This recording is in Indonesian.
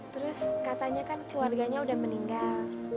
terus katanya kan keluarganya udah meninggal